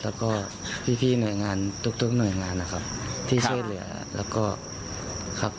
แล้วก็พี่หน่วยงานทุกทุกหน่วยงานนะครับที่ช่วยเหลือแล้วก็ครับ